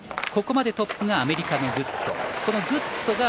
ここまでトップがアメリカのグッド。